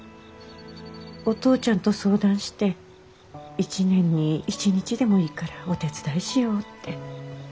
お父ちゃんと相談して一年に一日でもいいからお手伝いしようって。